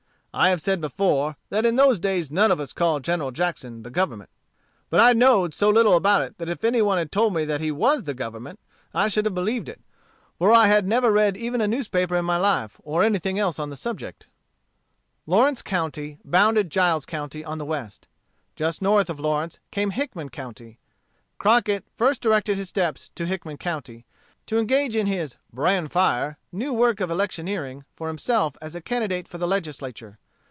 I have said before, that in those days none of us called General Jackson the Government. But I know'd so little about it that if any one had told me that he was the Government, I should have believed it; for I had never read even a newspaper in my life, or anything else on the subject." Lawrence County bounded Giles County on the west. Just north of Lawrence came Hickman County. Crockett first directed his steps to Hickman County, to engage in his "bran fire" new work of electioneering for himself as a candidate for the Legislature.